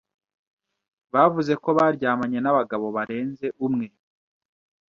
bavuze ko baryamanye n’abagabo barenze umwe